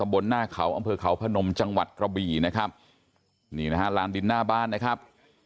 บนหน้าเขาอำเภอเขาพนมจังหวัดกระบี่นะครับนี่นะฮะลานดินหน้าบ้านนะครับ